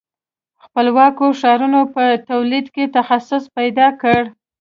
خپلواکو ښارونو په تولید کې تخصص پیدا کړ.